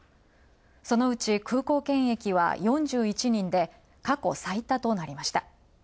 そのうち空港検疫は４１人で、過去最多となりました。